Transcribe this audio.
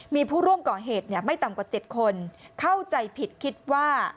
มีผู้ร่วมก่อเหตุไม่ต่ำกว่า๗คนเข้าใจผิดคิดว่า